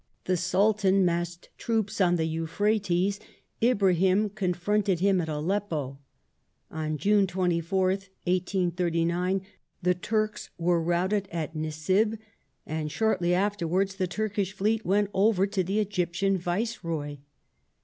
The Sultan massed troops on jthe Euphrates : Ibra him confronted him at Aleppo. On June 24th, 1839, the Turks were routed at Nissib, and shortly afterwards theiTurkish fleet went over to the Egyptian Viceroy.